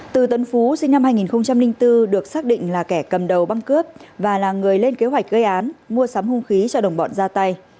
từ tân phú sinh năm hai nghìn bốn được xác định là kẻ cầm đầu băng cướp và là người lên kế hoạch gây án mua sắm hung khí cho đồng bọn ra tay